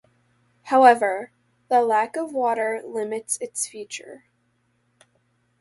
However, the lack of water limited its future.